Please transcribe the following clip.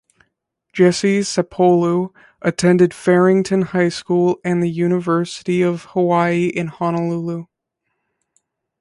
Jesse Sapolu attended Farrington High School and the University of Hawaii in Honolulu.